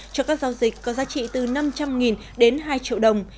cho các giao dịch có giá trị từ năm trăm linh đến hai triệu đồng